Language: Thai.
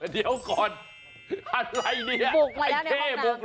เดี๋ยวก่อนอะไรเนี่ยไอ้เท่มุมเหรอ